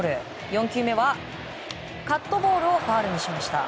４球目はカットボールをファウルにしました。